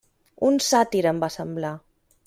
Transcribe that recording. Un sàtir, em va semblar.